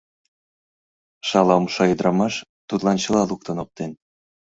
«Шала умша» ӱдырамаш тудлан чыла луктын оптен...